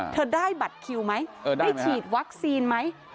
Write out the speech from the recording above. ได้บัตรคิวไหมได้ฉีดวัคซีนไหม